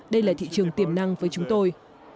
đây là thị trường tiềm năng với chúng tôi